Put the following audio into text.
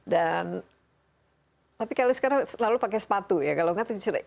dan tapi kalau sekarang selalu pakai sepatu ya kalau gak